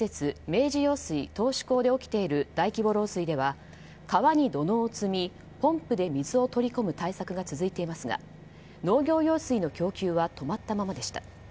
明治用水頭首工で起きている大規模漏水では川に土のうを積みポンプで水を取り込む対策が続いていますが農業用水の供給は止まったままでした。